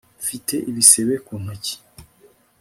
Mfite ibisebe ku ntoki